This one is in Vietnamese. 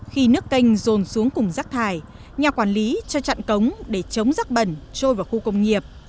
khi nước canh rồn xuống cùng rác thải nhà quản lý cho chặn cống để chống rắc bẩn trôi vào khu công nghiệp